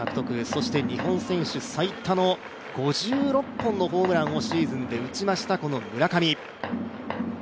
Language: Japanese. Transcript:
そして日本選手最多の５６本のホームランをシーズンで打ちました村上。